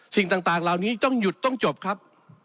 สิ่งต่างเหล่านี้ต้องหยุดต้องจบครับ